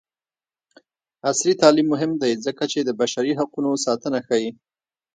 عصري تعلیم مهم دی ځکه چې د بشري حقونو ساتنه ښيي.